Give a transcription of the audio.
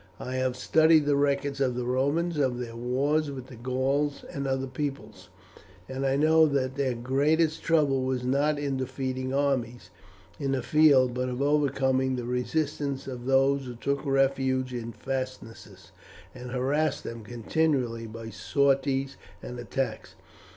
I have studied the records of the Romans, of their wars with the Gauls and other peoples, and I know that their greatest trouble was not in defeating armies in the field but of overcoming the resistance of those who took refuge in fastnesses and harassed them continually by sorties and attacks.